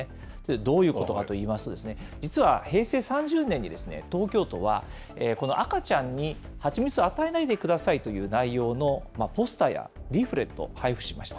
どういうことかといいますと、実は平成３０年に東京都は、赤ちゃんに蜂蜜を与えないでくださいという内容のポスターやリーフレットを配布しました。